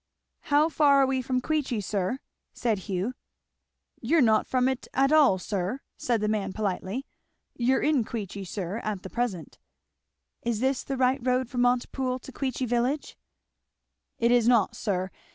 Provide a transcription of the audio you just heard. "How far are we from Queechy, sir?" said Hugh. "You're not from it at all, sir," said the man politely. "You're in Queechy, sir, at present." "Is this the right road from Montepoole to Queechy village?" "It is not, sir.